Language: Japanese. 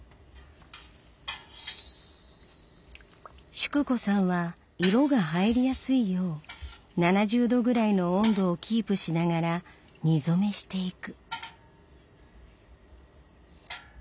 淑子さんは色が入りやすいよう７０℃ぐらいの温度をキープしながら煮染めしていく。